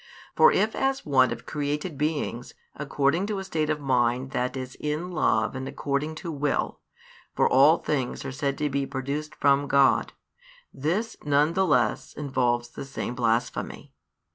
For if as one of created beings, according to a state of mind that is in love and according to will, for all things are said to be produced from God, this none the less involves the same blasphemy.